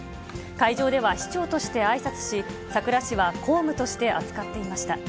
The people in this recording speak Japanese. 会場では、市長としてあいさつし、佐倉市は公務として扱っていました。